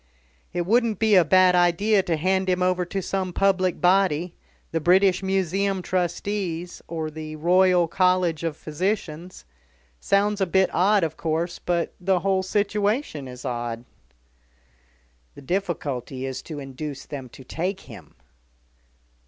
"It wouldn't be a bad idea to hand him over to some public body the British Museum Trustees, or the Royal College of Physicians. Sounds a bit odd, of course, but the whole situation is odd." "The difficulty is to induce them to take him."